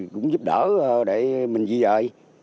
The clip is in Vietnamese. cũng giúp đỡ để mình di dời